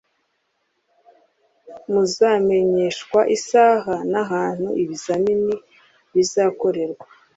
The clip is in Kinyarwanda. Muzamenyeshwa isaha n’ ahantu ibizamini bizakorerwa